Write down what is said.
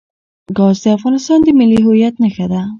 ګاز د افغانستان د ملي هویت نښه ده.